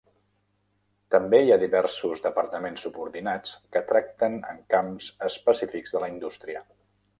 També hi ha diversos departaments subordinats que tracten amb camps específics de la indústria.